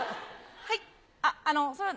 はい？